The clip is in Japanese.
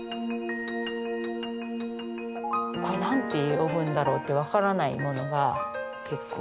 これ何て呼ぶんだろうって分からないものが結構。